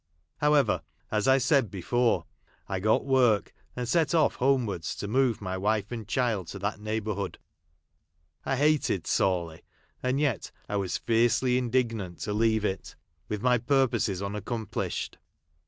However, as I said before, I got work, and set off homewards to move my wife ana child to that neighbourhood. I hated btiwley, and yet I was fiercely in dignant to leave it ; with my purposes un accomplished.